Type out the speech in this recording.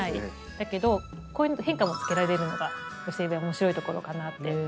だけどこういう変化をつけられるのが寄せ植えの面白いところかなって。